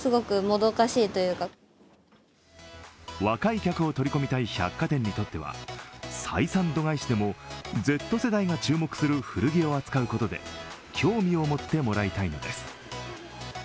若い客を取り込みたい百貨店にとっては採算度外視でもＺ世代が注目する古着を扱うことで興味を持ってもらいたいのです。